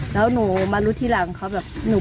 แล้วหนูมารู้ที่หลังอีก